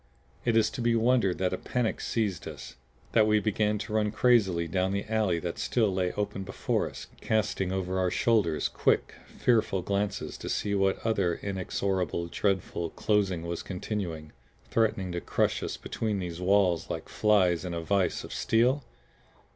Is it to be wondered that a panic seized us; that we began to run crazily down the alley that still lay open before us, casting over our shoulders quick, fearful glances to see whether that inexorable, dreadful closing was continuing, threatening to crush us between these walls like flies in a vise of steel?